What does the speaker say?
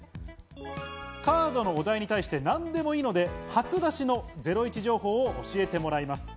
カードのお題に対して、なんでもいいので、初出しのゼロイチ情報を教えてもらいます。